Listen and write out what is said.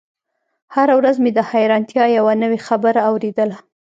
هره ورځ مې د حيرانتيا يوه نوې خبره اورېدله.